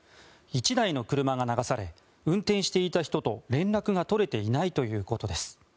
１台の車が流され運転していた人と連絡が取れていないということです。